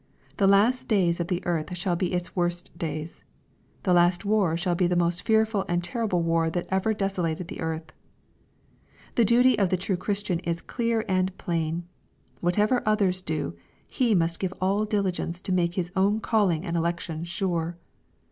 The last days of the earth shall be its worst days. The last war shall be the most fearful and terrible war that ever desolated the earth. The duty of the true Christian is clear and plain. Whatever others do, he must give all diligence to make bis own calling and election sure.